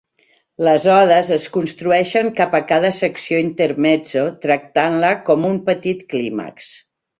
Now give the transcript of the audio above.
Les Odes es construeixen cap a cada secció Intermezzo, tractant-la com un petit clímax.